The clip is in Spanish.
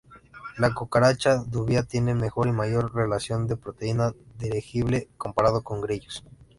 La cucaracha dubia tiene mejor y mayor relación de proteína digerible comparado con grillos.